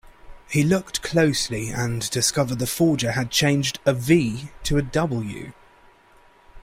He looked closely and discovered the forger had changed a V to a W.